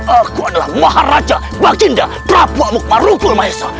aku adalah maharaja baginda prabu amuk marukul maesha